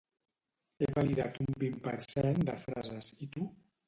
He validat un vint per cent de frases i tu?